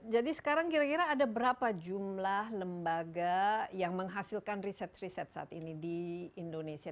jadi sekarang kira kira ada berapa jumlah lembaga yang menghasilkan riset riset saat ini di indonesia